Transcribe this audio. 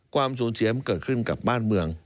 ความสูญเสียมันเกิดขึ้นกับบ้านเมือง